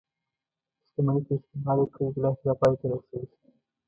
شتمني که استعمال یې کړئ بالاخره پای ته رسيږي.